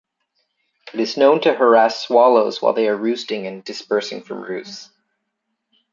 It is known to harass swallows while they are roosting and dispersing from roosts.